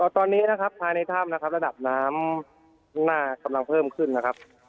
ตอนนี้นะครับภายในถ้ำนะครับระดับน้ำข้างหน้ากำลังเพิ่มขึ้นนะครับ